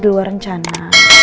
di luar rencana